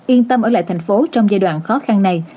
yên tâm ở lại thành phố trong giai đoạn khó khăn này